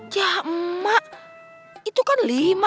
ya emak itu kan lima emak